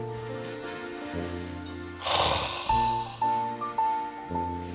はあ。